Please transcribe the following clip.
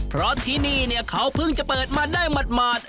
เพราะที่นี่เนี่ยเขาเพิ่งจะเปิดมาได้หมาด